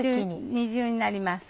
二重になります。